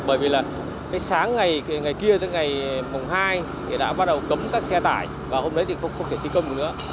bởi vì sáng ngày kia ngày mùng hai đã bắt đầu cấm các xe tải và hôm đấy thì không thể thi công nữa